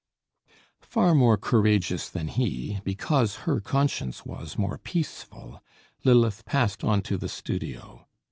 Far more courageous than he, because her conscience was more peaceful, Lilith passed on to the studio.